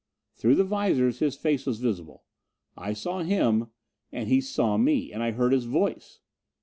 Through the visors his face was visible. I saw him, and he saw me. And I heard his voice.